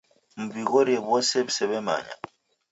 Mw'ighorie w'ose w'isaw'emanya.